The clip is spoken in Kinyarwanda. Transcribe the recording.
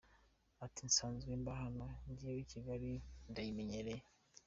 Ati “Nsanzwe mba hano, njyewe Kigali ndayimenyereye.